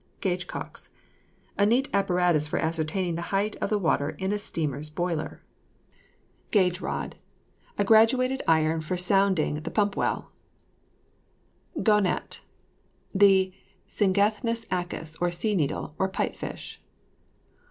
GAUGE COCKS. A neat apparatus for ascertaining the height of the water in a steamer's boiler. GAUGE ROD. A graduated iron for sounding the pump well. GAUGNET. The Sygnathus acus, sea needle, or pipe fish.